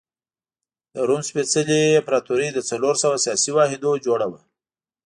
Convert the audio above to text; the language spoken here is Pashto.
د روم سپېڅلې امپراتوري له څلور سوه سیاسي واحدونو جوړه وه.